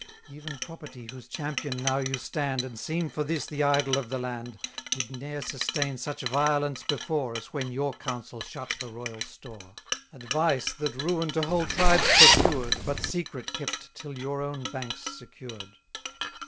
Even property whose champion now you stand, 220 And seem for this the idol of the land, Did ne'er sustain such violence before, As when your counsel shut the royal store; Advice, that ruin to whole tribes procured, But secret kept till your own banks secured.